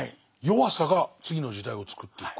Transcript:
「弱さが次の時代をつくっていく」？